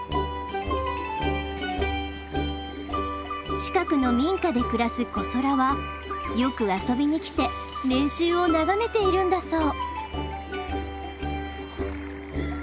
近くの民家で暮らすこそらはよく遊びに来て練習を眺めているんだそう。